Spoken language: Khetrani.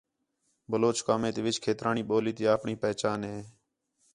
بلوچ قومیں تی وِِچ کھیترانی ٻولی تی آپݨی پہچاݨ ہے